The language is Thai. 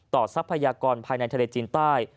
ทรัพยากรภายในทะเลจีนใต้